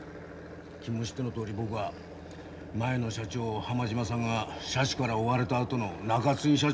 君も知ってのとおり僕は前の社長浜島さんが社主から追われたあとの中継ぎ社長だ。